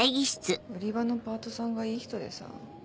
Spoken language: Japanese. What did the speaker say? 売り場のパートさんがいい人でさ。